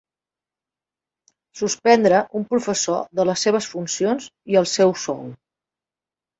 Suspendre un professor de les seves funcions i el seu sou.